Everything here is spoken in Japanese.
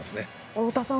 太田さん